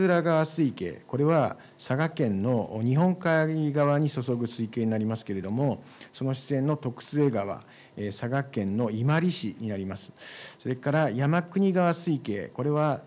それからまつうら川水系、これは佐賀県の日本海側にそそぐ水系になりますけれども、その支川の徳須恵川、佐賀県の伊万里市になります。